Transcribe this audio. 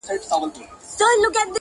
خو چي زه مي د مرګي غېږي ته تللم-